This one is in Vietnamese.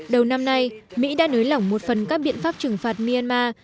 đầu năm nay mỹ đã nới lỏng một phần các biện pháp trừng phạt myanmar